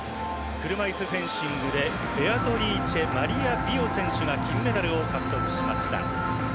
車いすフェンシングでベアトリーチェマリア・ビオ選手が金メダルを獲得しました。